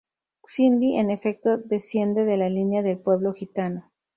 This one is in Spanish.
Cindy en efecto, desciende de la línea del pueblo gitano.